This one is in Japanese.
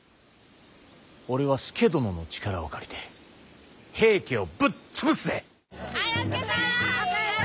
俺は佐殿の力を借りて平家をぶっ潰すぜ。